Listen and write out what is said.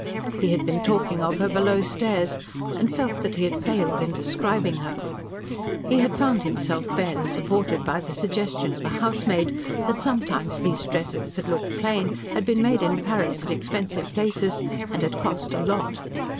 He had been talking of her below stairs and felt that he had failed in describing her. He had found himself barely supported by the suggestion of a housemaid that sometimes these dresses that looked plain had been made in Paris at expensive places and had cost "a lot."